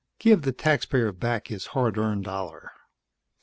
Give the taxpayer back his hard earned dollar!"